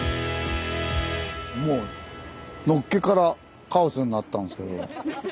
もうのっけからカオスになったんですけど。